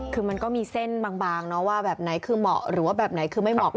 คือมันก็มีเส้นบางว่าแบบไหนคือเหมาะหรือว่าแบบไหนคือไม่เหมาะ